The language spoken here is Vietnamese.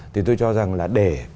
thì tôi cho rằng là để